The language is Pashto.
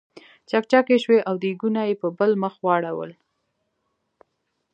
چکچکې شوې او دیګونه یې په بل مخ واړول.